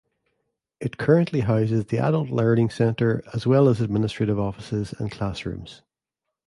It currently houses the Adult Learning Center, as well as administrative offices and classrooms.